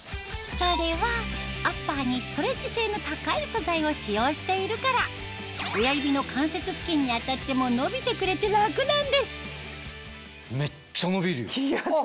それはアッパーにストレッチ性の高い素材を使用しているから親指の関節付近に当たってもめっちゃのびるよ。